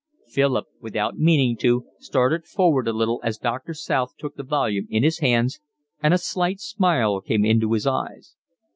Philip, without meaning to, started forward a little as Doctor South took the volume in his hands, and a slight smile came into his eyes.